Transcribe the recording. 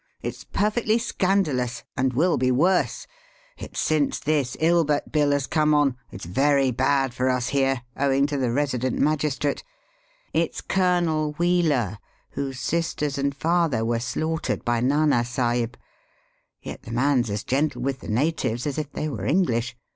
It's perfectly scandalous, and will be worse ; it's since this Ilbert Bill has come on. It's very bad for us here, owing to the resident magistrate. It's Colonel Wheeler, whose sisters and father were slaughtered by Nana Sahib. Yet the man's as gentle with the natives as if they were EngUsh.